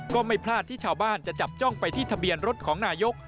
ก็ไม่พลาดที่ชาวบ้านจะจับจ้องไปที่ทะเบียนรถของนายก